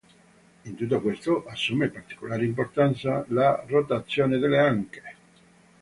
In tutto questo assume particolare importanza la rotazione delle anche.